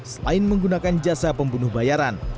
selain menggunakan jasa pembunuh bayaran